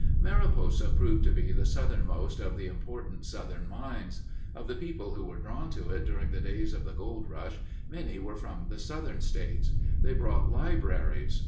Mariposa proved to be the southernmost of the important southern mines. Of the people who were drawn to it during the days of the gold rush, many were from the Southern States. They brought "libraries